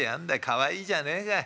かわいいじゃねえか。